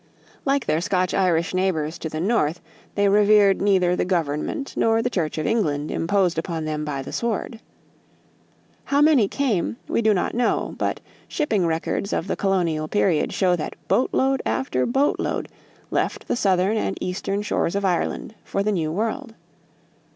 Like their Scotch Irish neighbors to the north, they revered neither the government nor the church of England imposed upon them by the sword. How many came we do not know, but shipping records of the colonial period show that boatload after boatload left the southern and eastern shores of Ireland for the New World.